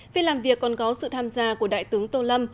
phiên làm việc còn có sự tham gia của đại tướng tô lâm